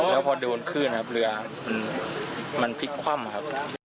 แล้วพอโดนคลื่นครับเรือมันพลิกคว่ำครับ